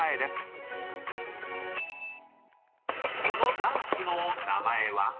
［このダンスの名前は？］